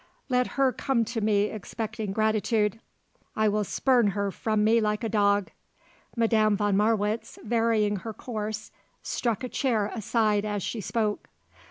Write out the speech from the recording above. _ Let her come to me expecting gratitude. I will spurn her from me like a dog!" Madame von Marwitz, varying her course, struck a chair aside as she spoke.